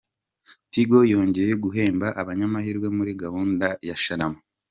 Tigo yongeye guhemba abanyamahirwe muri gahunda ya "Sharama"